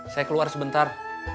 saya keluar sebentar